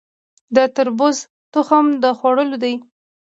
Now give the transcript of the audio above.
د تربوز تخم د خوړلو دی؟